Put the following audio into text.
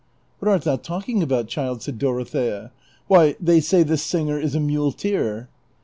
"What art thou talking about, child?" said Dorothea. '' Why, they say this singer is a nmleteer."